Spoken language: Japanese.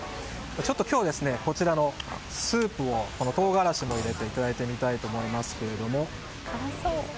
ちょっと今日、こちらのスープを唐辛子も入れていただいてみたいと思いますが。